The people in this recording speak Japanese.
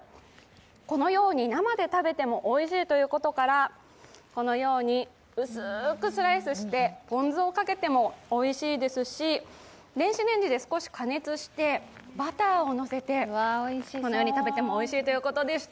このように生で食べてもおいしいということから、薄くスライスしてポン酢をかけてもおいしいですし、電子レンジで少し加熱してバターをのせてこのように食べてもおいしいということです。